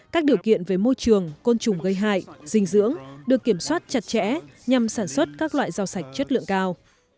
các điều kiện về môi trường côn trùng gây hại dinh dưỡng được kiểm soát chặt chẽ nhằm sản xuất các loại rau sạch chất lượng cao